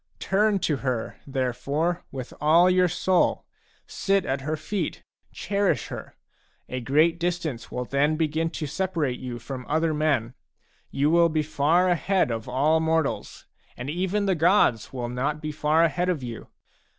Turn to her, therefore, with all your soul, sit at her feet, cherish her; a great distance will then begin to separate you from other men. You will be far ahead of all mortals, and even the gods will not be far ahead of you.